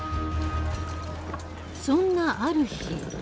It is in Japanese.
そんなある日。